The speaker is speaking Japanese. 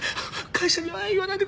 会社には言わないでください！